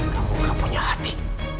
kamu gak punya hati